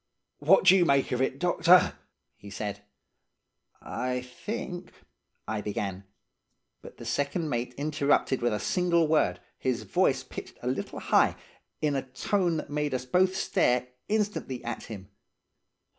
"'What do you make of it, doctor?' he said. "'I think —' I began. But the second mate interrupted with a single word, his voice pitched a little high, in a tone that made us both stare instantly at him.